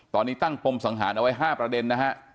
ตอนนี้ตั้งปมสังหารเอาไว้๕ประเด็นนะฮะ